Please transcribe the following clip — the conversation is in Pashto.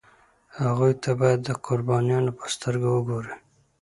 هغوی ته باید د قربانیانو په سترګه وګوري.